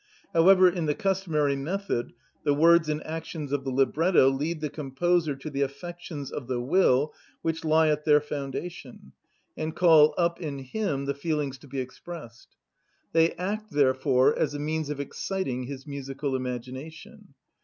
However, in the customary method, the words and actions of the libretto lead the composer to the affections of the will which lie at their foundation, and call up in him the feelings to be expressed; they act, therefore, as a means of exciting his musical imagination.